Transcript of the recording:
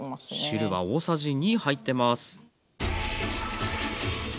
汁が大さじ２入ってます。